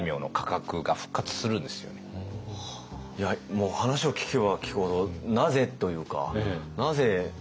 もう話を聞けば聞くほどなぜ？というか。